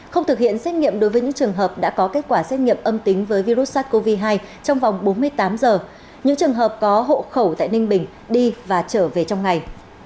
không thực hiện xét nghiệm đối với những trường hợp đã có kết quả xét nghiệm âm tính với virus sars cov hai trong vòng bốn mươi tám giờ những trường hợp có hộ khẩu tại ninh bình đi và trở về trong ngày